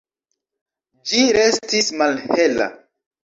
Ĝi restis malhela.